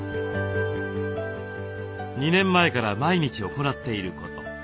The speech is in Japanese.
２年前から毎日行っていること。